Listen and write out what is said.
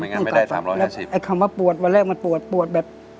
ไม่งั้นไม่ได้ทำร้อยห้าสิบไอ้คำว่าปวดวันแรกมันปวดปวดแบบ